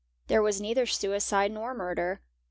There was neither suicide nor murder.